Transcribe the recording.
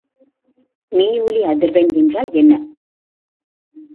மீஒலி அதிர்வெண் என்றால் என்ன?